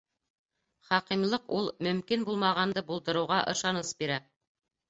Хакимлыҡ ул мөмкин булмағанды булдырыуға ышаныс бирә.